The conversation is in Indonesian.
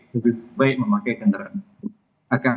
lebih baik memakai kendaraan